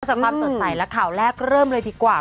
จากความสดใสและข่าวแรกเริ่มเลยดีกว่า